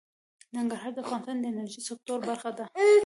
ننګرهار د افغانستان د انرژۍ سکتور برخه ده.